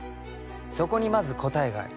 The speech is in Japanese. そこにまず答えがあり